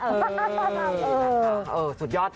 เอ่ออ่อสุดยอด